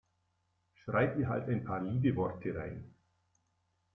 Schreib ihr halt ein paar liebe Worte rein.